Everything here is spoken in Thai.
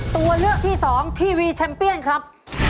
ตัวเลือกที่สองทีวีแชมเปียนครับ